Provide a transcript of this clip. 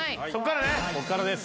ここからです。